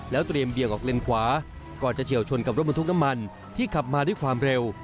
เตรียมเบี่ยงออกเลนขวาก่อนจะเฉียวชนกับรถบรรทุกน้ำมันที่ขับมาด้วยความเร็ว